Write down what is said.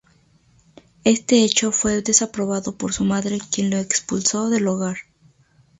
Este hecho fue desaprobado por su madre quien lo expulsó del hogar.